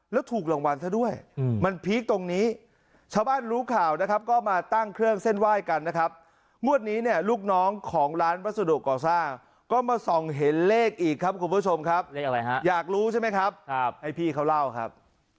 แล้วตอนนี้เนี่ยลูกน้องของร้านพระสุดกอสร้างก็มาส่องเห็นเลขอีกครับคุณผู้ชมครับเลขอะไรฮะอยากรู้ใช่ไหมครับให้พี่เขาเล่าครับ